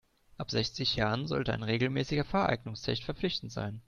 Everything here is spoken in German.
Ab sechzig Jahren sollte ein regelmäßiger Fahreignungstest verpflichtend sein.